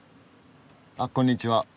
あこんにちは。